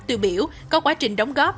tiêu biểu có quá trình đóng góp